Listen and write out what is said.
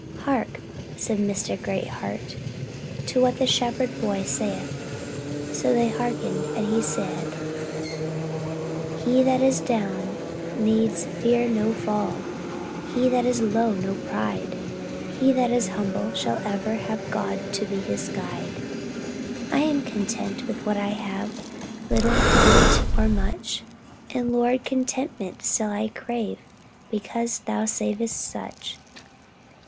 Hark, said Mr. Greatheart, to what the shepherd boy saith. So they hearkened and he said: He that is down, needs fear no fall; He that is low no pride: He that is humble, ever shall Have God to be his guide. I am content with what I have, Little be it or much: And, Lord, contentment still I crave, Because thou savest such.